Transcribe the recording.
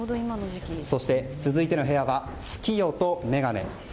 そして続いての部屋は「月夜とめがね」